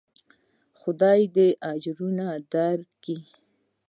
خداى دې اجرونه درکي.